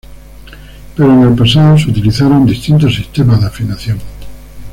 Pero en el pasado se utilizaron distintos sistemas de afinación.